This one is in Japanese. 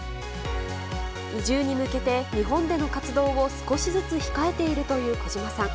移住に向けて日本での活動を少しずつ控えているという小島さん。